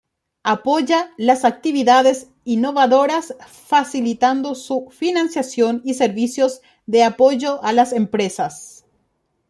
Apoya las actividades innovadoras facilitando su financiación y servicios de apoyo a las empresas.